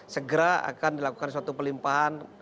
segera akan dilakukan suatu pelimpahan